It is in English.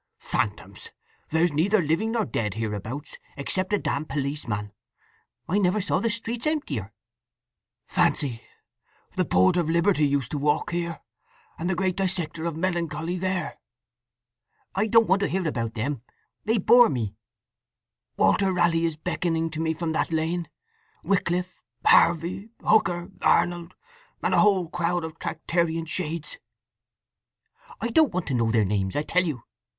Phantoms! There's neither living nor dead hereabouts except a damn policeman! I never saw the streets emptier." "Fancy! The Poet of Liberty used to walk here, and the great Dissector of Melancholy there!" "I don't want to hear about 'em! They bore me." "Walter Raleigh is beckoning to me from that lane—Wycliffe—Harvey—Hooker—Arnold—and a whole crowd of Tractarian Shades—" "I don't want to know their names, I tell you!